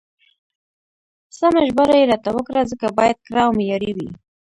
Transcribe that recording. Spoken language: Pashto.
سمه ژباړه يې راته وکړه، ځکه بايد کره او معياري وي.